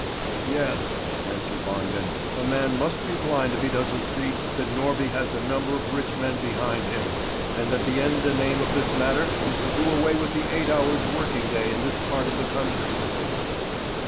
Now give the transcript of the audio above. "Yes," answered Wangen; "a man must be blind if he doesn't see that Norby has a number of rich men behind him, and that the end and aim of this matter is to do away with the eight hours' working day in this part of the country."